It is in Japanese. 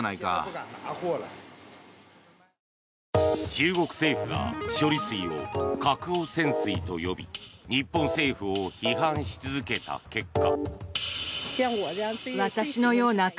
中国政府が処理水を核汚染水と呼び日本政府を批判し続けた結果。